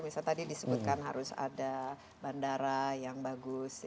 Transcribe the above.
misalnya tadi disebutkan harus ada bandara yang bagus